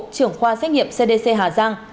trưởng khoa xét nghiệm cdc hà giang